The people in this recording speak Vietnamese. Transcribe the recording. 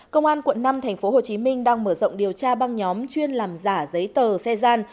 công an quận năm tp hcm đang mở rộng điều tra băng nhóm chuyên làm giả giấy tờ xe gian